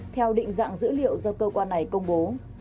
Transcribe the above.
theo định dạng dữ liệu do cơ quan này công bố